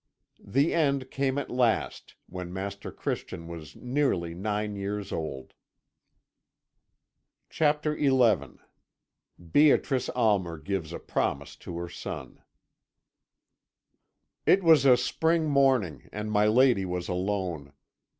"The end came at last, when Master Christian was nearly nine years old." CHAPTER XI BEATRICE ALMER GIVES A PROMISE TO HER SON "It was a spring morning, and my lady was alone.